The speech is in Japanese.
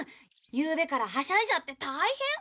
ゆうべからはしゃいじゃって大変！